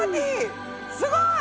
すごい！